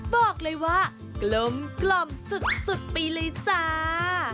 บอกเลยว่ากลมสุดไปเลยจ้า